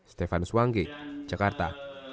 stefan swange jakarta